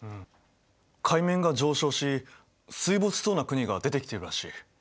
海面が上昇し水没しそうな国が出てきてるらしい。